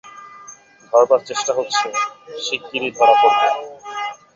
ধরবার চেষ্টা হচ্ছে, শিগগিরই ধরা পড়বে।